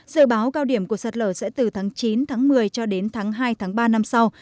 dự báo cao điểm của sạt lở sẽ từ tháng chín tháng một mươi cho đến tháng hai tháng ba năm sau